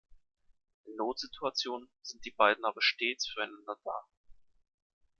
In Notsituationen sind die beiden aber stets füreinander da.